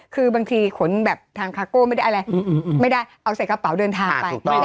คือบางทีขนแบบทางคาโก้ไม่ได้อะไรไม่ได้เอาใส่กระเป๋าเดินทางไป